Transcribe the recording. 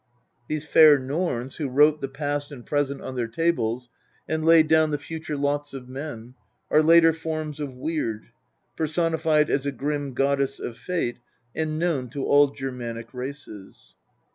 These fair Norns, who wrote the past and present on their tables and laid down the future lots of men, are later forms of Weird, personified as a grim goddess of fate, and known to all Germanic races.